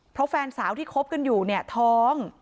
เพราะแฟนสาวที่คบกันอยู่เนี่ยท้อง